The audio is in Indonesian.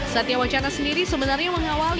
satya wacana sendiri sebenarnya mengawal